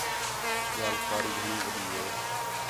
ٻِیال خُؤاری گھݨی وݙی ہِے